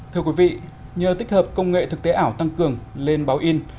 thưa quý vị nhờ tích hợp công nghệ thực tế ảo tăng cường lên báo in